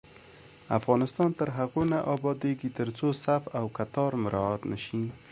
افغانستان تر هغو نه ابادیږي، ترڅو صف او کتار مراعت نشي.